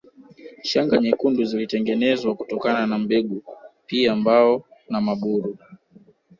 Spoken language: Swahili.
Shanga nyekundu zilitengenezwa kutokana na mbegu pia mbao na maburu